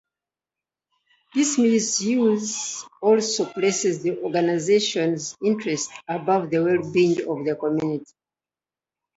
This misuse also places the organization's interest above the well-being of the community.